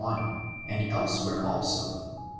and else where also, cp.